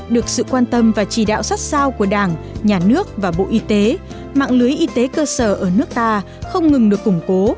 được sự quan tâm và chỉ đạo sát sao của đảng nhà nước và bộ y tế mạng lưới y tế cơ sở ở nước ta không ngừng được củng cố